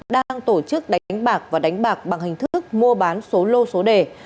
đang tổ chức đánh bạc và đánh bạc bằng hình thức mua bán số lô số đề